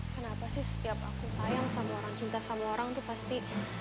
kenapa sih setiap aku sayang sama orang cinta sama orang tuh pasti